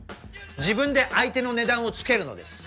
自分で相手の値段をつけるのです。